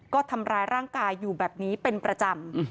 ก็ทำร้ายร่างกายอยู่แบบนี้เป็นประจำ